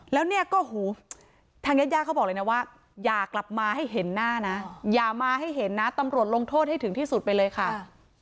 แล้วเนี่ยก็หูทางญาติญาติเขาบอกเลยนะว่าอย่ากลับมาให้เห็นหน้านะอย่ามาให้เห็นนะตำรวจลงโทษให้ถึงที่สุดไปเลยค่ะ